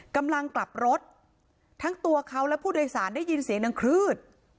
กำลังกลับรถทั้งตัวเขาและผู้โดยสารได้ยินเสียงดังคลืด